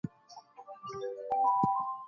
د تمدن مرحلې په تدريجي ډول وهل کيږي.